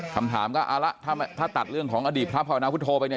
คำถามก็เอาละถ้าตัดเรื่องของอดีตพระภาวนาพุทธโไปเนี่ย